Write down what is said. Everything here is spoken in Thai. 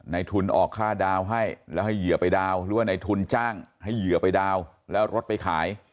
ทุนออกค่าดาวน์ให้แล้วให้เหยื่อไปดาวน์หรือว่าในทุนจ้างให้เหยื่อไปดาวน์แล้วรถไปขาย